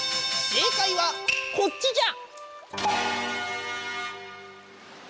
正解はこっちじゃ。